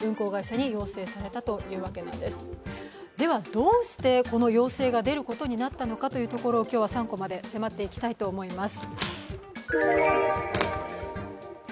どうしてこの要請が出ることになったのかというところを今日は３コマで迫っていきたいと思います。